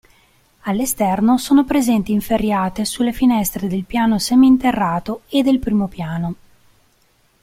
All'esterno sono presenti inferriate sulle finestre del piano seminterrato e del primo piano.